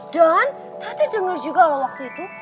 dan tata denger juga loh waktu itu